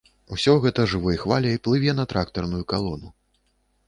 Усё гэта жывой хваляй плыве на трактарную калону.